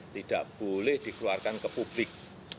tidak boleh dikeluarkan ke publik